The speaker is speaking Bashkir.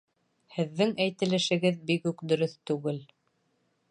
Һеҙҙең әйтелешегеҙ бик үк дөрөҫ түгел